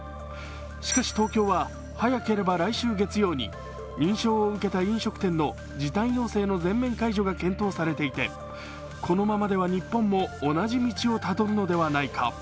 しかし東京は早ければ来週月曜に認証を受けた飲食店の時短要請の全面解除が検討されていてこのままでは日本も同じ道をたどるのではないか。